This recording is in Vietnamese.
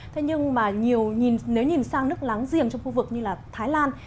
thế nhưng mà nếu nhìn sang nước láng giềng trong khu vực như là thái lan